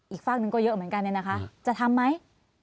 อีกฝากหนึ่งก็เยอะเหมือนกันเนี่ยนะคะจะทำไหม